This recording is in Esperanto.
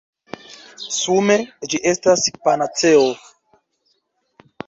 Sume, ĝi estas panaceo!